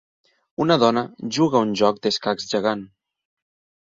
Una dona juga un joc d'escacs gegant.